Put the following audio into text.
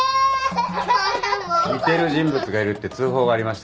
似てる人物がいるって通報がありましてね。